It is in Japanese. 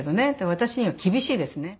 私には厳しいですね。